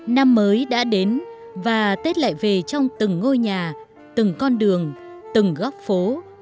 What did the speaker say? năm mới đã đến và tết lại về trong từng ngôi nhà từng con đường từng góc phố